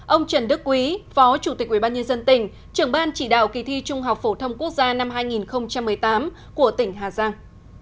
ông trần đức quý phó chủ tịch ủy ban nhân dân tỉnh trưởng ban chỉ đạo kỳ thi trung học phổ thông quốc gia năm hai nghìn một mươi tám của tỉnh hà giang